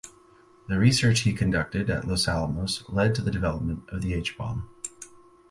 The research he conducted at Los Alamos led to the development of the H-bomb.